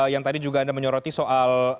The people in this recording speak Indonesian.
yang tadi juga anda menyoroti soal